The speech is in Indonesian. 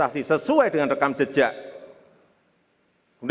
karena saya setelah gaji kelinciyy kinerja saya